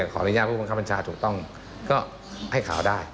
ขออนุญาตผู้บังคับบัญชาถูกต้องก็ให้ข่าวได้